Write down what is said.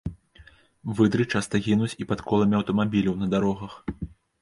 Выдры часта гінуць і пад коламі аўтамабіляў на дарогах.